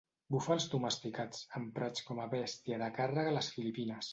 Búfals domesticats, emprats com a bèstia de càrrega a les Filipines.